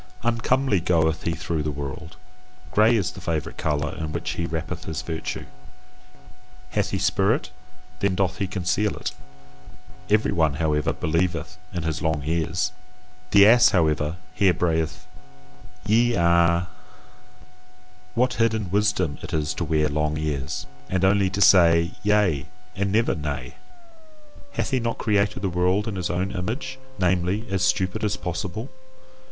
Uncomely goeth he through the world. Grey is the favourite colour in which he wrappeth his virtue. Hath he spirit, then doth he conceal it; every one, however, believeth in his long ears. The ass, however, here brayed YE A. What hidden wisdom it is to wear long ears, and only to say Yea and never Nay! Hath he not created the world in his own image, namely, as stupid as possible?